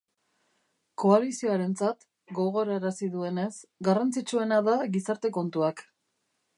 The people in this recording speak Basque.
Koalizioarentzat, gogorarazi duenez, garrantzitsuena da gizarte-kontuak.